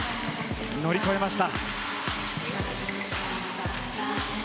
乗り越えました。